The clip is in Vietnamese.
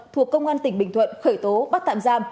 thuộc công an tỉnh bình thuận khởi tố bắt tạm giam